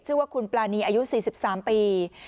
ชื่อว่าคุณปรานีอายุ๔๓ปี